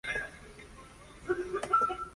Permaneció fiel a este juramento.